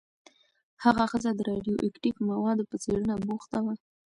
هغه ښځه د راډیواکټیف موادو په څېړنه بوخته وه.